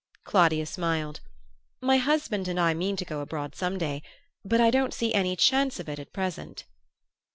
Claudia smiled. "My husband and I mean to go abroad some day but I don't see any chance of it at present."